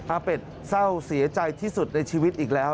เป็ดเศร้าเสียใจที่สุดในชีวิตอีกแล้ว